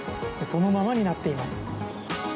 そのままになっています。